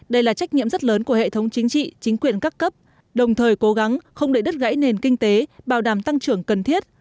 đây là trách nhiệm rất lớn của hệ thống chính trị chính quyền các cấp đồng thời cố gắng không để đứt gãy nền kinh tế bảo đảm tăng trưởng cần thiết